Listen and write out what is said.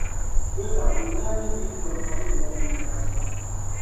Jɔtam ŋun daa nyɛ Gidiɔn kaluɣ’ la ŋun’ daa sɔɣi.